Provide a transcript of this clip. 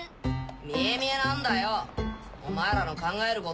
見え見えなんだよお前らの考えることは。